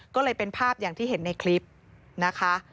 ก็เลยเป็นภาพอย่างที่เห็นในคลิปนะคะ